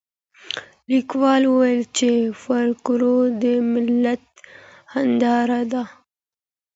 ليکوال وايي چي فولکلور د ملت هنداره ده.